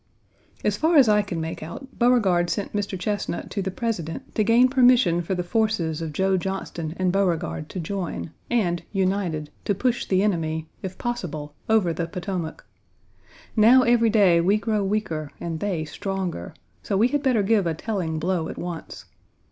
As far as I can make out, Beauregard sent Mr. Chesnut to the President to gain permission for the forces of Joe Johnston and Beauregard to join, and, united, to push the enemy, if possible, over the Potomac. Now every day we grow weaker and they stronger; so we had better give a telling blow at once.